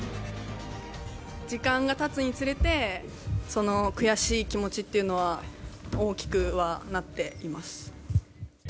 時間がたつにつれて、その悔しい気持ちっていうのは、大きくはなっています。